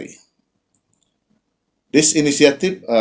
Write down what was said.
inisiatif ini dilakukan melalui